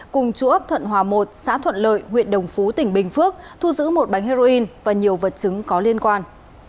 cùng chú ấp thuận hòa một xã thuận lợi huyện đồng phú tỉnh bình phước thu giữ một bánh heroin và nhiều vật chứng có liên quan